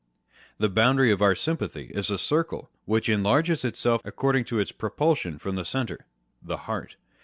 The boundary of our sympathy is a circle which enlarges itself according to its propulsion from the centre â€" the heart.